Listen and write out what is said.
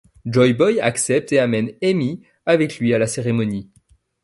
Joyboy accepte et amène Aimee avec lui à la cérémonie.